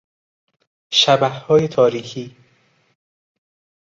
شبحهای تاریکی